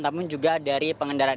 namun juga dari pengendaraan